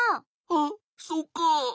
あっそうか。